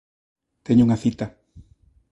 Teño unha cita.